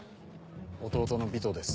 弟の尾到です